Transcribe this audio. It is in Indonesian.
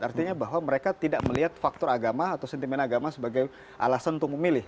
artinya bahwa mereka tidak melihat faktor agama atau sentimen agama sebagai alasan untuk memilih